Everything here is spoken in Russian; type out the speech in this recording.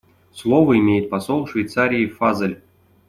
Слово имеет посол Швейцарии Фазель.